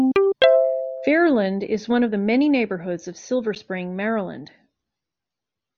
Fairland is one of the many neighborhoods of Silver Spring, Maryland.